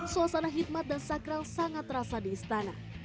suasana hikmat dan sakral sangat terasa di istana